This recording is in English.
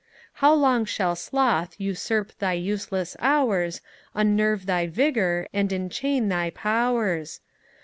How long shall sloth usurp thy useless hours, Unnerve thy vigour, and enchain thy powers?